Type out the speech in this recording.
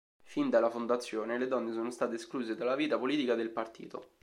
Fin dalla fondazione le donne sono state escluse dalla vita politica del partito.